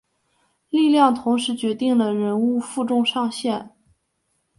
力量同时决定了人物负重上限。